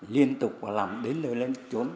liên tục làm đến nơi lên trốn